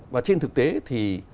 và trên thực tế thì